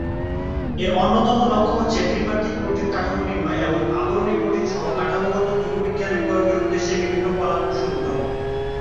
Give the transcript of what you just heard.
এর অন্যতম লক্ষ্য হচ্ছে ত্রিমাত্রিক প্রোটিন কাঠামো নির্ণয় এবং আবরণী প্রোটিন-সহ কাঠামোগত জীববিজ্ঞানে প্রয়োগের উদ্দেশ্যে বিভিন্ন কলাকৌশল উদ্ভাবন।